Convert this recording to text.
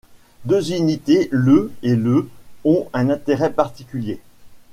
Deux unités, le ' et le ', ont un intérêt particulier.